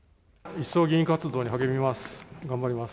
一層議員活動に励みます。